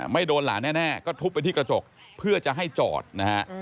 ไม่โดนหลานแน่ก็ทุบไปที่กระจกเพื่อจะให้จอดนะฮะ